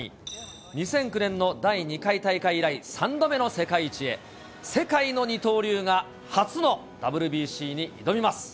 ２００９年の第２回大会以来、３度目の世界一へ、世界の二刀流が初のＷＢＣに挑みます。